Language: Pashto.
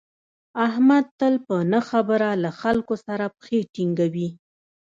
احمد تل په نه خبره له خلکو سره پښې ټینگوي.